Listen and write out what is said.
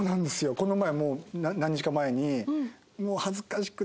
この前何日か前にもう恥ずかしくて。